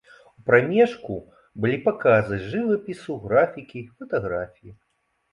У прамежку былі паказы жывапісу, графікі, фатаграфіі.